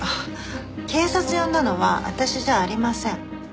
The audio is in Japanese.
警察呼んだのは私じゃありません。